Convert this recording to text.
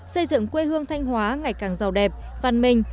xây dựng quê hương thanh hóa ngày càng giàu đẹp văn minh